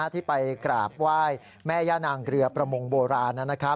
ที่ไปกราบอย่ม่าย่านางเรือประมงโบราณ